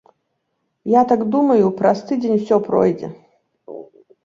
А так, думаю, праз тыдзень усё пройдзе.